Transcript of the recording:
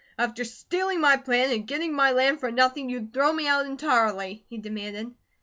"After stealing my plan, and getting my land for nothing, you'd throw me out entirely?" he demanded.